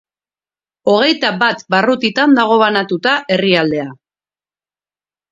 Hogeita bat barrutitan dago banatua herrialdea.